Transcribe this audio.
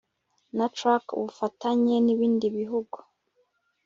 na trac ubufatanye n ibindi bihugu